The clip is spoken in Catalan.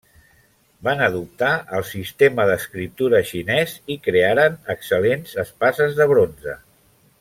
Van adoptar el sistema d'escriptura xinès i crearen excel·lents espases de bronze.